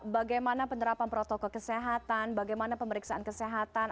bagaimana penerapan protokol kesehatan bagaimana pemeriksaan kesehatan